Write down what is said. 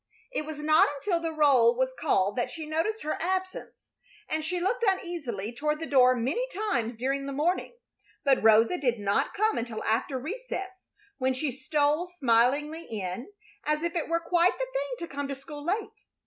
It was not until the roll was called that she noticed her absence, and she looked uneasily toward the door many times during the morning, but Rosa did not come until after recess, when she stole smilingly in, as if it were quite the thing to come to school late.